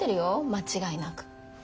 間違いなく。